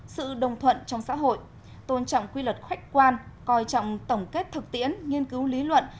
sự đồng thuận trong xã hội tôn trọng quy luật khách quan coi trọng tổng kết thực tiễn nghiên cứu lý luận